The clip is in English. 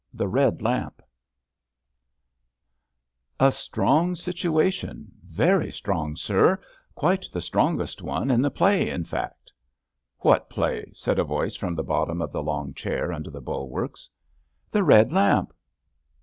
THE EED LAMP A STEONG situation — very strong, sir —^^^ quite the strongest one in the play, in fact.'' ^^ What play? *' said a voice from the bottom of the long chair under the bulwarks. '' The Bed Lamp.''